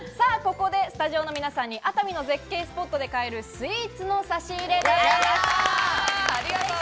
ここでスタジオの皆さんに熱海の絶景スポットで買えるスイーツの差し入れです。